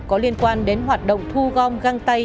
có liên quan đến hoạt động thu gom găng tay